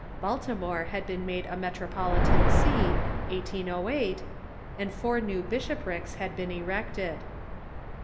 Baltimore had been made a metropolitan see, 1808, and four new bish oprics had been erected.